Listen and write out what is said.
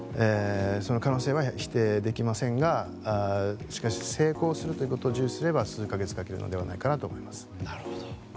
その可能性は否定できませんがしかし成功するということを重視すれば数か月かけるのではないかと思います。